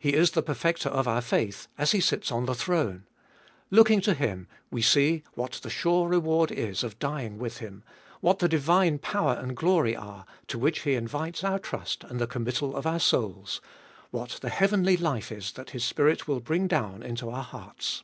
He is the Perfecter of our faith, as He sits on the throne. Looking to Him we see what the sure reward is of dying with Him, what the divine power and glory are to which He invites our trust and the committal of our souls, what the heavenly life is that His Spirit will bring down into our hearts.